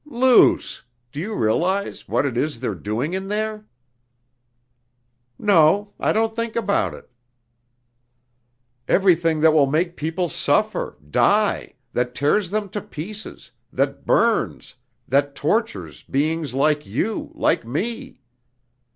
"Luce! Do you realize what it is they're doing in there?" "No, I don't think about it." "Everything that will make people suffer, die, that tears them to pieces, that burns, that tortures beings like you, like me...."